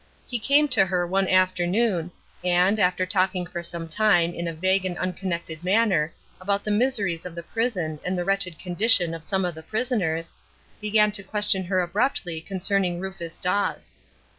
He came to her one afternoon, and, after talking for some time, in a vague and unconnected manner, about the miseries of the prison and the wretched condition of some of the prisoners, began to question her abruptly concerning Rufus Dawes.